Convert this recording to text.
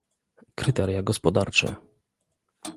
Kryteria gospodarcze